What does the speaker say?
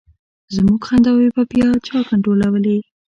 زمونږ خنداوې به بیا چا کنټرولولې.